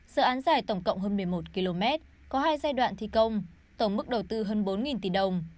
dự án dài tổng cộng hơn một mươi một km có hai giai đoạn thi công tổng mức đầu tư hơn bốn tỷ đồng